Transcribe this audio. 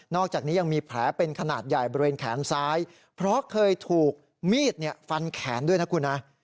อกจากนี้ยังมีแผลเป็นขนาดใหญ่บริเวณแขนซ้ายเพราะเคยถูกมีดฟันแขนด้วยนะคุณนะ